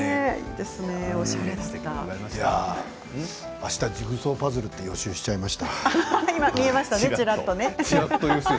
あすはジグソーパズルって予習しちゃいました。